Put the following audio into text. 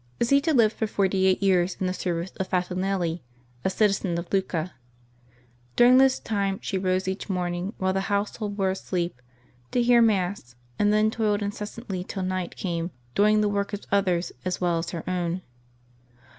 • ^^iTA lived for fortj' eight years in the service of Fati (^ nelli, a citizen of Lucca. During this time she rose each morning, while the household were asleep, to hear Mass, and then toiled incessantly till night came, doing the work of others as well as her own.